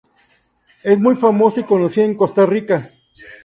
Es muy famosa y conocida en Costa Rica.